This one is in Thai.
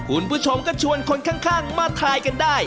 คุณผู้ชมก็ชวนคนข้างมาทายกันได้